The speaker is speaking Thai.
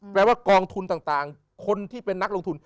แปลว่ากองทุนต่างคนที่เป็นนักลงทุน